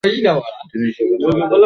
তিনি সেখানে আধ্যাত্মিকতা চর্চা করতেন।